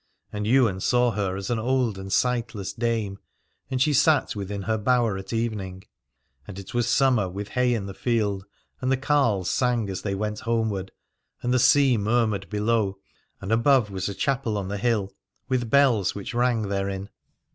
And Ywain saw her as an old and sightless dame, and she sat within her bower at evening. And it was summer, with hay in field, and the carles sang as they went homeward: and the sea murmured below, and above was a chapel on the hill, with bells which rang therein.